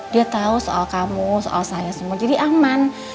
dia tahu soal kamu soal saya semua jadi aman